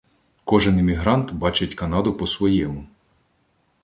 Кожен іммігрант бачить Канаду по-своєму